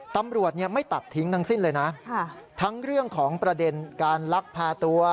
ตำรวจไม่ตัดทิ้งทั้งสิ้นเลยนะทั้งเรื่องของประเด็นการลักพาตัว